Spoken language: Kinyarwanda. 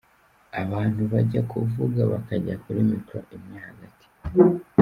Abantu bajya kuvuga bakajya kuri micro imwe hagati.